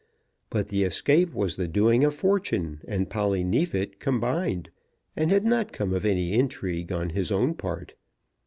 But the escape was the doing of fortune and Polly Neefit combined, and had not come of any intrigue on his own part.